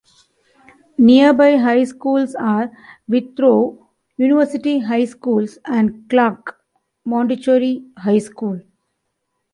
Nearby High Schools are Withrow University High School and Clark Montessori High School.